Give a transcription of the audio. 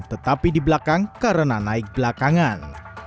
tetapi di belakang karena naik belakangan